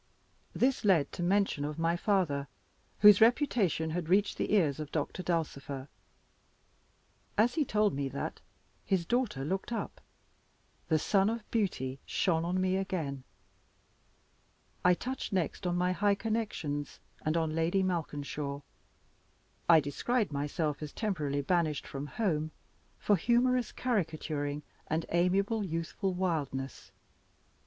This led to the mention of my father, whose reputation had reached the ears of Doctor Dulcifer. As he told me that, his daughter looked up the sun of beauty shone on me again! I touched next on my high connections, and on Lady Malkinshaw; I described myself as temporarily banished from home for humorous caricaturing, and amiable youthful wildness.